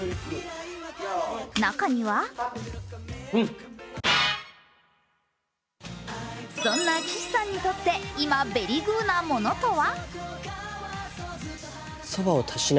中にはそんな岸さんにとって、今ベリグーなものとは？